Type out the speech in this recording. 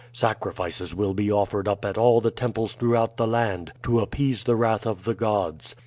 Sacrifices will be offered up at all the temples throughout the land to appease the wrath of the gods.